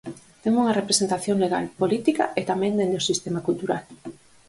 Ten unha representación legal, política e tamén dende o sistema cultural.